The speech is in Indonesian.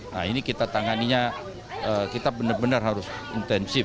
nah ini kita tanganinya kita benar benar harus intensif